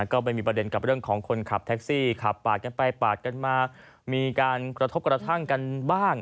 ก็ไปมีประเด็นกับเรื่องของคนขับแท็กซี่ขับปาดกันไปปาดกันมามีการกระทบกระทั่งกันบ้าง